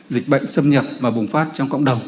dịch bệnh xâm nhập và bùng phát trong cộng đồng